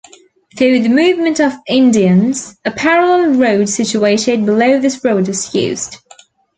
For the movement of Indians, a parallel road situated below this road was used.